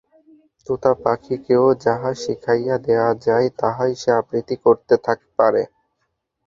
তোতা পাখীকেও যাহা শিখাইয়া দেওয়া যায়, তাহাই সে আবৃত্তি করিতে পারে।